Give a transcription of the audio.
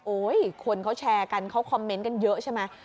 คนเขาแชร์กันเขาคอมเมนต์กันเยอะใช่ไหม